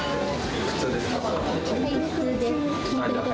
普通ですか？